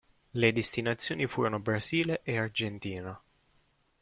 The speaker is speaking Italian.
Le destinazioni furono Brasile e Argentina.